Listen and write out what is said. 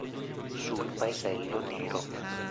Sul paesello nero.